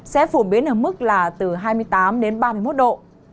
sẽ phổ biến ở mức là từ hai mươi tám đến ba mươi một độ